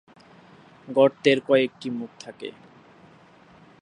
গর্তের কয়েকটি মুখ থাকে।